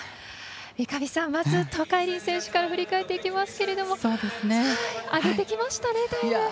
三上さん、まず東海林選手から振り返っていきますけどあげてきましたね、タイム。